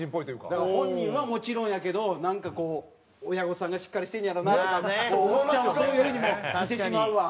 だから本人はもちろんやけどなんかこう親御さんがしっかりしてんねやろなっておっちゃんはそういう風にも見てしまうわ。